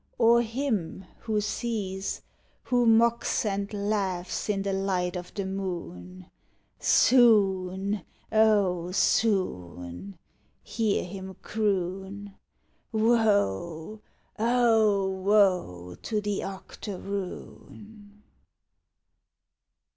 Or him who sees, Who mocks and laughs in the light o' the moon: "Soon, oh, soon," hear him croon, "_Woe, oh, woe to the octoroon!